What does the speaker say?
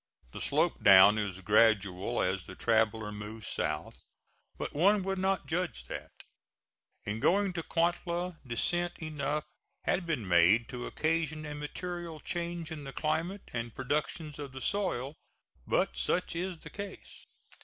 The slope down is gradual as the traveller moves south, but one would not judge that, in going to Cuantla, descent enough had been made to occasion a material change in the climate and productions of the soil; but such is the case.